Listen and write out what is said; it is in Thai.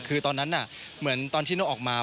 คือตอนนั้นเหมือนตอนที่นกออกมา